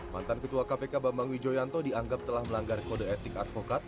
mantan ketua kpk bambang wijoyanto dianggap telah melanggar kode etik advokat